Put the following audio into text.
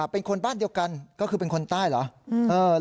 เป็นคนบ้านเดียวกันก็คือเป็นคนใต้เหรอ